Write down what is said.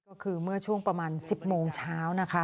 ก็คือเมื่อช่วงประมาณ๑๐โมงเช้านะคะ